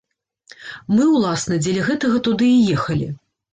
Мы, уласна, дзеля гэтага туды і ехалі.